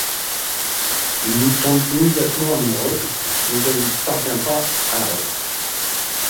Il tombe immédiatement amoureux mais ne parvient pas à la revoir.